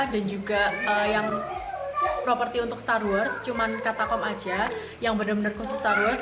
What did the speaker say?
dan juga yang properti untuk star wars cuman katakom aja yang benar benar khusus star wars